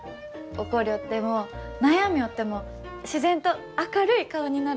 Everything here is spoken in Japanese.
怒りょっても悩みょうっても自然と明るい顔になる。